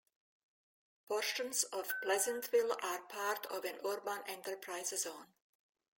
Portions of Pleasantville are part of an Urban Enterprise Zone.